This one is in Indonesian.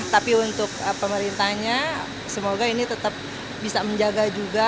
tapi untuk pemerintahnya semoga ini tetap bisa menjaga juga